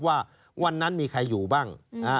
ว่าวันนั้นมีใครอยู่บ้าง